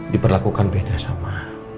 diperlakukan beda sama